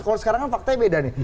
kalau sekarang kan faktanya beda nih